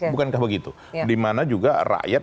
bukankah begitu di mana juga rakyat